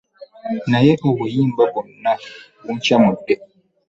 Naye obuyimba bwonna bunkyamudde.